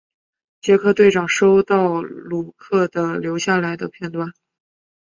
杰克队长收到鲁克的留下来的短片。